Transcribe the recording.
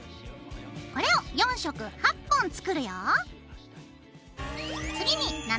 これを４色８本作るよ。